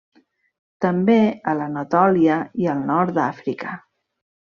També a l'Anatòlia i al nord d'Àfrica.